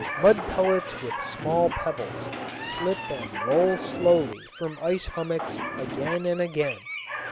Mud pellets with small pebbles slip and roll slowly from ice hummocks again and again.